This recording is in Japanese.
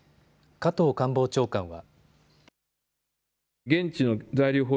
加藤官房長官は。